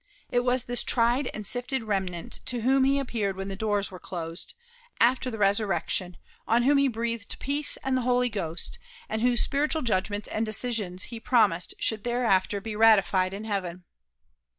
It was this tried and sifted remnant to whom he appeared when the doors were closed, after the resurrection, on whom he breathed peace and the Holy Ghost, and whose spiritual judgments and decisions he promised should thereafter be ratified in heaven.